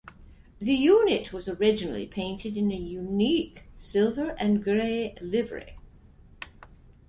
The unit was originally painted in a unique silver and grey livery.